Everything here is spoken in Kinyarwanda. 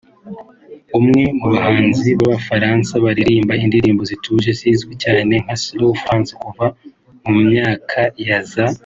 umwe mu bahanzi b’abafaransa baririmba indirimbo zituje zizwi cyane nka slow français kuva mu myaka ya za